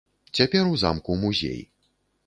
Цяпер у замку музей.